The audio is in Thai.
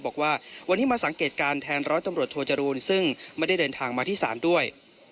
บอกว่าวันนี้มาสังเกตการณ์แทนร้อยตำรวจโทจรูลซึ่งไม่ได้เดินทางมาที่ศาลด้วย